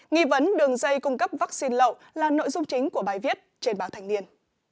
nghĩ vấn đường dây cung cấp vaccine lậu là nội dung chính của bài viết trên báo thành niên